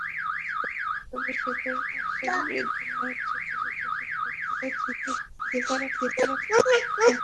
তবে সেতুর পাশের বিদ্যালয়ের ছোট ছোট শিক্ষার্থীরা ঠিকই সেতু দিয়ে পারাপার হচ্ছে।